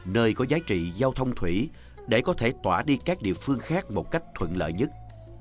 nơi có giá trị giao thông thủy để có thể tỏa đi các địa phương khác một cách thuận lợi nhất